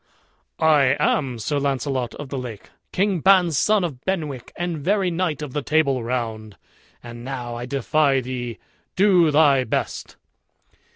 "I am Sir Launcelot of the Lake, King Ban's son of Benwick, and very knight of the Table Round; and now I defy thee do thy best."